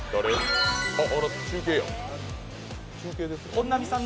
本並さん